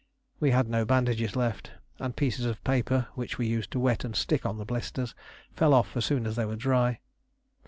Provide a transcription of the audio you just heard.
We had no bandages left, and pieces of paper which we used to wet and stick on the blisters fell off as soon as they were dry.